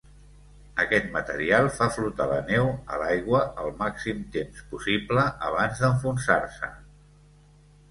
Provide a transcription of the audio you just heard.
Aquest material fa flotar la neu a l'aigua el màxim temps possible abans d'enfonsar-se.